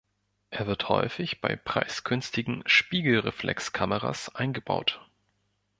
Er wird häufig bei preisgünstigen Spiegelreflexkameras eingebaut.